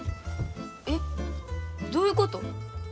えどういうこと？